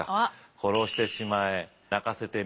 殺してしまえ鳴かせてみせよう